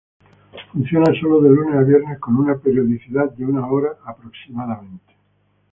Funciona sólo de lunes a viernes con una periodicidad de una hora, aproximadamente.